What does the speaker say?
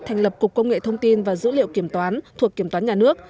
thành lập cục công nghệ thông tin và dữ liệu kiểm toán thuộc kiểm toán nhà nước